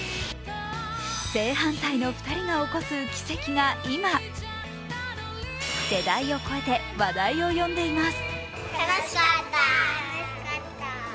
正反対の２人が起こす奇跡が今、世代を超えて話題を呼んでいます。